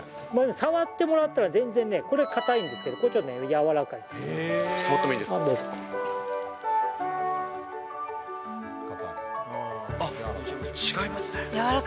触ってもらったら全然ね、これ硬いんですけど、触ってもいいですか？